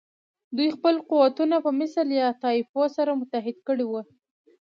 دوی خپل قوتونه په مثل یا طایفو سره متحد کړي وو.